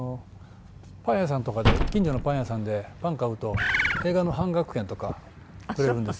パン屋さんとかで近所のパン屋さんでパン買うと映画の半額券とかくれるんですよ。